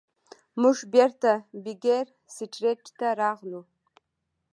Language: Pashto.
موږ بیرته بیکر سټریټ ته راغلو.